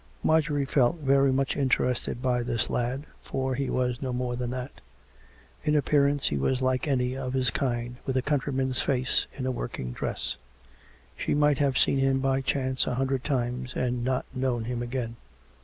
Marjorie felt very much interested by this lad, for he was no more than that. In appearance he was like any of his kind, with a countryman's face, in a working dress: she might have seen him by chance a hundred times and not known him again.